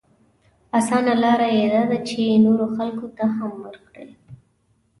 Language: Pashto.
اسانه لاره يې دا ده چې نورو خلکو ته هم ورکړي.